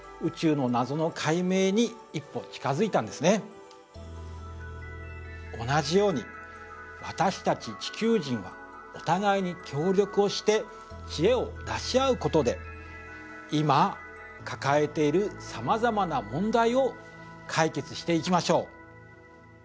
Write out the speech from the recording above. これは同じように私たち地球人はお互いに協力をして知恵を出し合うことで今抱えている様々な問題を解決していきましょう。